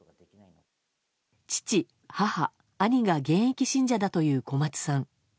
父、母、兄が現役信者だという小松さん。